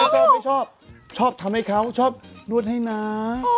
ก็ไม่ชอบชอบทำให้เขาชอบนวดให้นะ